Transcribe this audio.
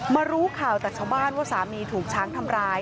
รู้ข่าวจากชาวบ้านว่าสามีถูกช้างทำร้าย